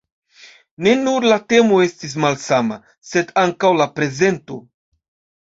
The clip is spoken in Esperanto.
Ne nur la temo estis malsama, sed ankaŭ la prezento.